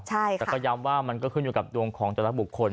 แต่ก็ย้ำว่ามันก็ขึ้นอยู่กับดวงของแต่ละบุคคล